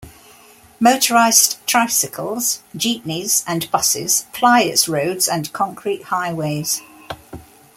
Motorized tricycles, jeepneys, and buses ply its roads and concrete highways.